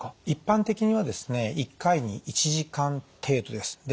一般的にはですね１回に１時間程度です。